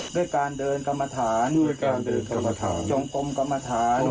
ด้วยการเดินกรรมฐานจงกรมกรรมฐาน